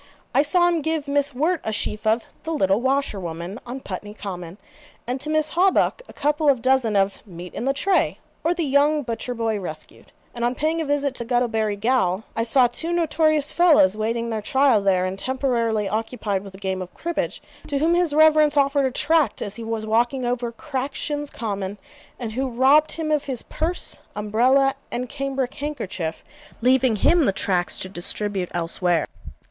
I saw him give Miss Wirt a sheaf of 'The Little Washer woman on Putney Common,' and to Miss Hawbuck a couple of dozen of 'Meat in the Tray; or the Young Butcher boy Rescued;' and on paying a visit to Guttlebury gaol, I saw two notorious fellows waiting their trial there (and temporarily occupied with a game of cribbage), to whom his Reverence offered a tract as he was walking over Crackshins Common, and who robbed him of his purse, umbrella, and cambric handkerchief, leaving him the tracts to distribute elsewhere.